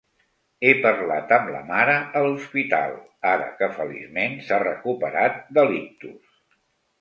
He parlat amb la mare a l'hospital, ara que feliçment s'ha recuperat de l'ictus.